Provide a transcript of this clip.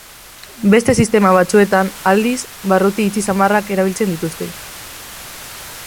Beste sistema batzuetan, aldiz, barruti itxi samarrak erabiltzen dituzte.